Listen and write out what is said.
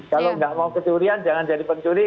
kalau nggak mau kecurian jangan jadi pencuri